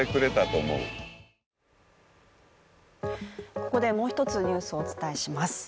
ここで、もう１つニュースをお伝えします。